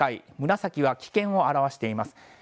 紫は危険を表しています。